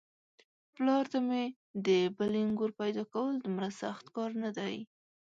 پلار ته مې د بلې نږور پيداکول دومره سخت کار نه دی.